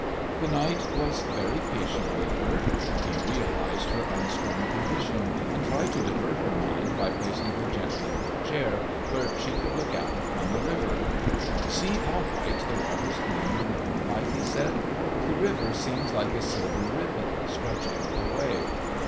The knight was very patient with her. He realised her unstrung condition, and tried to divert her mind by placing her gently in a chair where she could look out upon the river. "See how white the waters gleam in the moonlight!" he said. "The river seems like a silver ribbon stretching away."